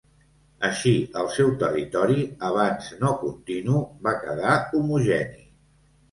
Així el seu territori, abans no continu, va quedar homogeni.